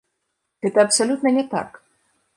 Гэта абсалютна не так!